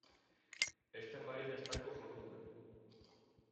Esta paella está cojonuda